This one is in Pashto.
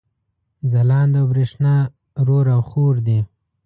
ځلاند او برېښنا رور او حور دي